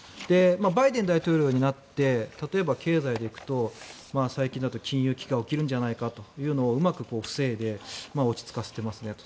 バイデン大統領になって例えば経済で行くと最近で言うと金融危機が起きるんじゃないかとそれをうまく防いで落ち着かせてますねと。